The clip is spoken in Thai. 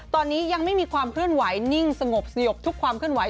ตอนนี้ยังไม่มีความเคลื่อนไหวนิ่งสงบสยบทุกความเคลื่อนไ